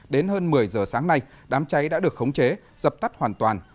đến hơn một mươi giờ sáng nay đám cháy đã được khống chế dập tắt hoàn toàn